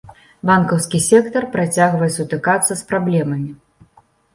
Банкаўскі сектар працягвае сутыкацца з праблемамі.